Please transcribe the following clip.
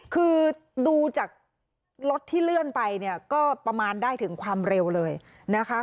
คือดูจากรถที่เลื่อนไปเนี่ยก็ประมาณได้ถึงความเร็วเลยนะคะ